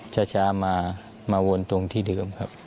ช้ามาวนตรงที่เดิมครับ